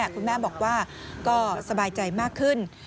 คุณแม่บอกว่าก็สบายใจมากขึ้น